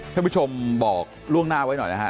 ท่านผู้ชมบอกล่วงหน้าไว้หน่อยนะฮะ